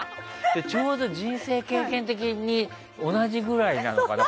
ちょうど人生経験的に同じぐらいなのかな。